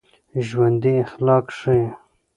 ژوندي اخلاق ښيي